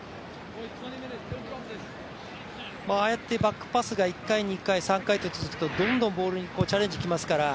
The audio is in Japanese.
ああやってバックパスが１回、２回、３回と続くとどんどんボールにチャレンジにきますから。